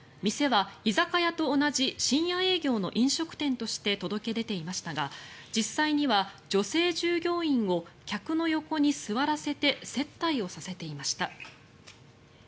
店は居酒屋と同じ深夜営業の飲食店として届け出ていましたが実際には女性従業員を客の横に座らせて接待をさせていました。